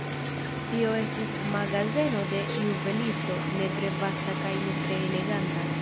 Tio estis magazeno de juvelisto, ne tre vasta kaj ne tre eleganta.